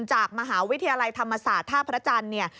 จากมหาวิทยาลัยธรรมศาสตร์ท่าพระจันทร์เนี่ย